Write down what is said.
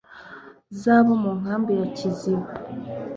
z'abo mu nkambi ya kiziba